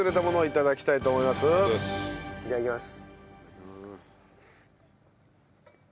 いただきます。